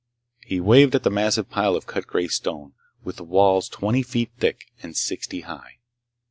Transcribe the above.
He waved at the massive pile of cut gray stone, with walls twenty feet thick and sixty high.